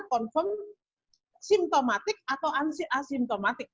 confirm simptomatik atau asymptomatik